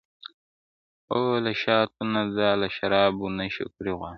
o له شاتو نه، دا له شرابو نه شکَري غواړي.